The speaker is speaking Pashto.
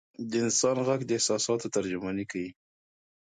د انسان ږغ د احساساتو ترجماني کوي.